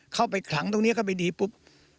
ขลังตรงนี้เข้าไปดีปุ๊บ